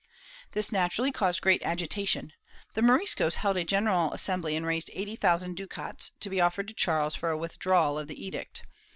^ This naturally caused great agitation; the Moriscos held a general assembly and raised eighty thousand ducats to be offered to Charles for a withdrawal of the edict.